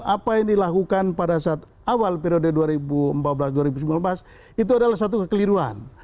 apa yang dilakukan pada saat awal periode dua ribu empat belas dua ribu sembilan belas itu adalah satu kekeliruan